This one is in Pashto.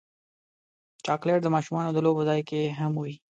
چاکلېټ د ماشومانو د لوبو ځای کې هم وي.